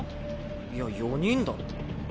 いや四人だろ。